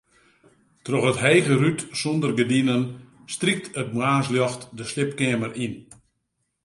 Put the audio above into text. Troch it hege rút sûnder gerdinen strykt it moarnsljocht de sliepkeamer yn.